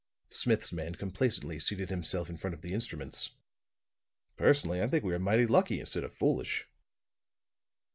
Smith's man complacently seated himself in front of the instruments. "Personally, I think we are mighty lucky, instead of foolish."